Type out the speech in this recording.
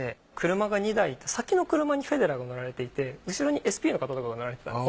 車が２台いて先の車にフェデラーが乗られていて後ろにＳＰの方とかが乗られていたんです。